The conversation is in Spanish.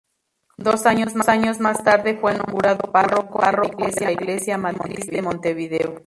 Dos años más tarde fue nombrado cura párroco de la Iglesia Matriz de Montevideo.